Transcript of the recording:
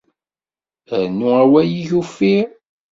Rnu awal-ik uffir.